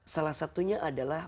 salah satunya adalah